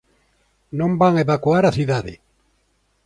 Non van evacuar a cidade.